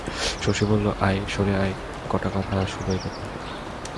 শশী বলিল, আয়, সরে আয়, কটা কথা শুধোই তোকে।